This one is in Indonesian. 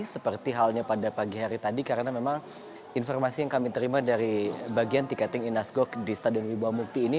seperti halnya pada pagi hari tadi karena memang informasi yang kami terima dari bagian tiketing inas gok di stadion wibawa mukti ini